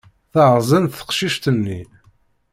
Teɣẓen teqcict-nni.